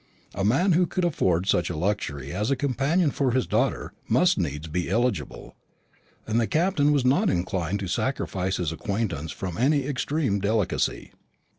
A man who could afford such a luxury as a companion for his daughter must needs be eligible, and the Captain was not inclined to sacrifice his acquaintance from any extreme delicacy.